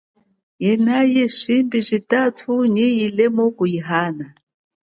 Yenayo ye shimbi jitangu nyi jilemu kuhiana.